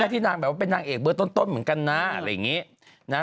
ที่นางแบบว่าเป็นนางเอกเบอร์ต้นเหมือนกันนะอะไรอย่างนี้นะ